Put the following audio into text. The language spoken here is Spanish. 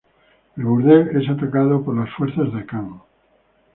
El burdel es atacado por las fuerzas de Akan.